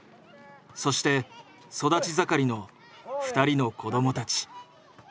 そして育ち盛りの２人の子どもたち。